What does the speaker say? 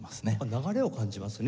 流れを感じますね。